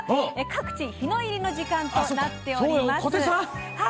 各地、日の入りの時間となっています。